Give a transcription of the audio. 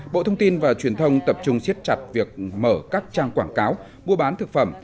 bộ thông tin và truyền thông tập trung siết chặt việc mở các trang quảng cáo mua bán thực phẩm